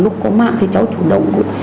lúc có mạng thì cháu chủ động